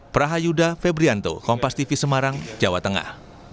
mars tv semarang jawa tengah